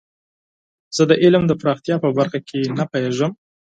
زه د علم د پراختیا په برخه کې نه پوهیږم.